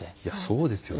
そうですよね。